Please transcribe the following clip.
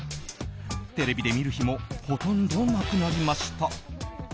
テレビで見る日もほとんどなくなりました。